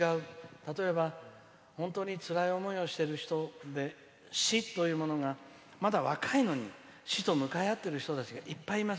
例えば、本当につらい思いをしてる人で死というものがまだ若いのに死と向かい合っている人がいっぱいいます。